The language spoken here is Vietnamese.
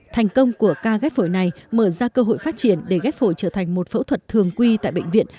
thành công của ca ghép phổi này mở ra cơ hội phát triển để ghép phổi trở thành một phẫu thuật thường quy tại bệnh viện